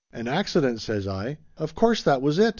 "An accident!" says I. "Of course that was it!